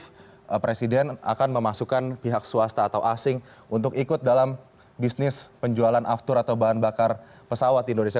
harga aftur ini tidak kompetitif presiden akan memasukkan pihak swasta atau asing untuk ikut dalam bisnis penjualan aftur atau bahan bakar pesawat di indonesia